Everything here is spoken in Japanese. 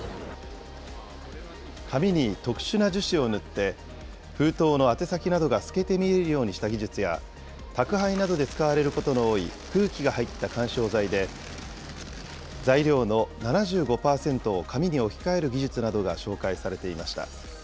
紙に特殊な樹脂を塗って、封筒の宛先などが透けて見えるようにした技術や、宅配などで使われることの多い空気が入った緩衝材で材料の７５％を紙に置き換える技術などが紹介されていました。